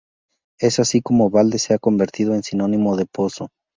Es así como Balde se ha convertido en sinónimo de pozo.